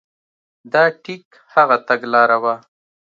دا ټیک هغه تګلاره وه.